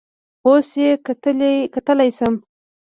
اوس یې کتلی شم؟